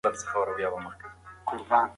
د هغه کتاب يوه پراخه مقدمه لري.